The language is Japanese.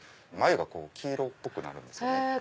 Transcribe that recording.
繭が黄色っぽくなるんですよね。